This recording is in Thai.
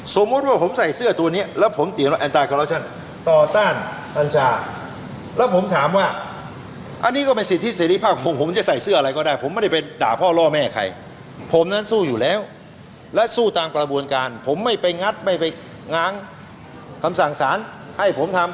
สู้ตามประบวนการผมไม่ไปงัดไม่ไปง้างคำสั่งสารให้ผมทำ